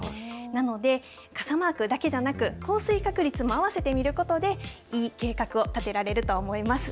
なので、傘マークだけじゃなく、降水確率もあわせて見ることで、いい計画を立てられると思います。